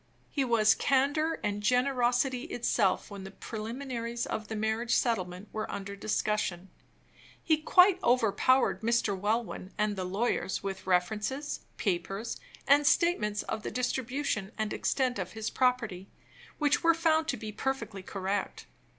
He was candor and generosity itself when the preliminaries of the marriage settlement were under discussion. He quite overpowered Mr. Welwyn and the lawyers with references, papers, and statements of the distribution and extent of his property, which were found to be perfectly correct.